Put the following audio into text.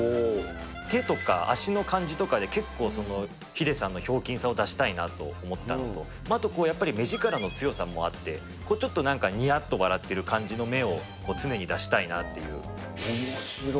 手とか足の感じとかで、結構そのヒデさんのひょうきんさを出したいなと思ったのと、あとこう、やっぱり目力の強さもあって、ちょっとなんかにやっと笑ってる感じの目を常に出したいなっていおもしろ。